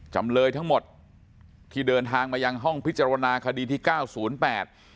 จำเลยทั้งหมดที่เดินทางมายังห้องพิจารณาคดีที่เก้าศูนย์แปด